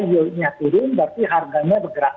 jangka panjang turun berarti harganya bergerak